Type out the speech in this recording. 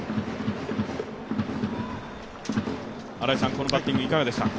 このバッティングはいかがでしたか？